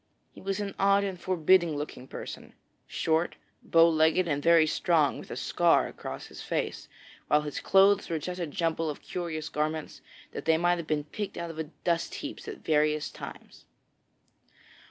He was an odd and forbidding looking person, short, bow legged, and very strong, with a scar across his face; while his clothes were such a jumble of curious garments that they might have been picked out of dust heaps at various times.